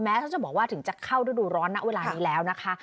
เขาจะบอกว่าถึงจะเข้าฤดูร้อนนะเวลานี้แล้วนะคะ